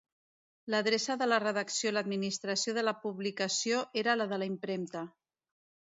L'adreça de la redacció i l'administració de la publicació era la de la impremta.